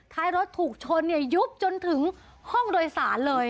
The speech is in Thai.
ท้ายรถถูกชนเนี่ยยุบจนถึงห้องโดยสารเลย